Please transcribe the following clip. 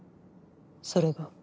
それが？